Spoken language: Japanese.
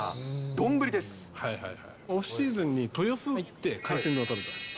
オフシーズンに豊洲に行って、海鮮丼食べたんです。